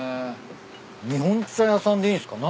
日本茶屋さんでいいんすか？